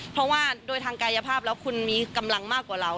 เพราะว่าโดยทางกายภาพแล้วคุณมีกำลังมากกว่าเรา